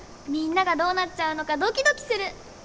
みんながどうなっちゃうのかドキドキする！